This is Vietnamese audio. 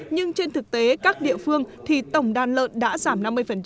nhưng trên thực tế các địa phương thì tổng đàn lợn đã giảm năm mươi